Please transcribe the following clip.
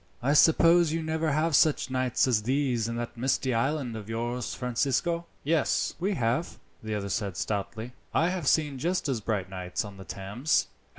"I suppose you never have such nights as these in that misty island of yours, Francisco?" "Yes, we have," the other said stoutly. "I have seen just as bright nights on the Thames.